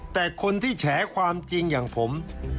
แต่คนที่แฉความจริงอย่างผม